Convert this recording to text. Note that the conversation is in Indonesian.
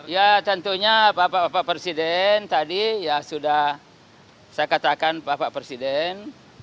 ya tentunya pak pak pak presiden tadi ya sudah saya katakan pak pak presiden